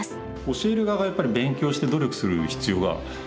教える側がやっぱり勉強して努力する必要が常にあるので。